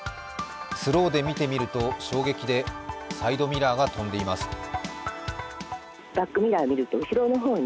スローで見てみると、衝撃でサイドミラーが飛んでいます。